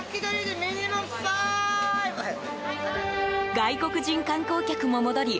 外国人観光客も戻り